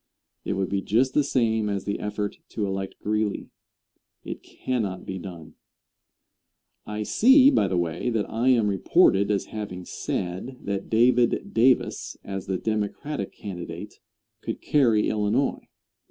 It would be just the same as the effort to elect Greeley. It cannot be done. I see, by the way, that I am reported as having said that David Davis, as the Democratic candidate, could carry Illinois.